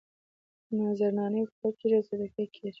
نذرانې ورکول کېږي او صدقې کېږي.